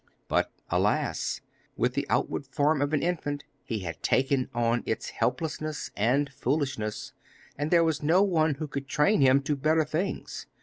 But, alas! with the outward form of an infant, he had taken on its helplessness and foolishness, and there was no one who could train him to better things.